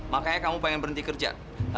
makanya kamu pengen berhenti kerja